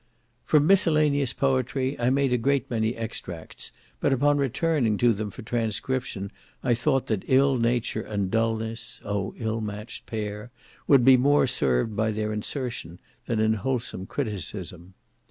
From miscellaneous poetry I made a great many extracts, but upon returning to them for transcription I thought that ill nature and dulness, ('oh ill matched pair!') would be more served by their insertion, than wholesome criticism.